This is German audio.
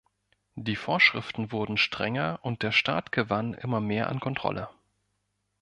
Die Vorschriften wurden strenger und der Staat gewann immer mehr an Kontrolle.